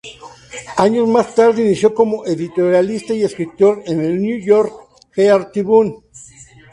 Años más tarde inició como editorialista y escritor en el "New York Herald Tribune".